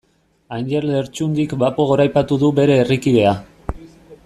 Anjel Lertxundik bapo goraipatu du bere herrikidea.